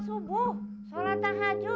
menunjuk setiap satu hari